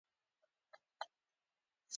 غریب د زړونو ټکور دی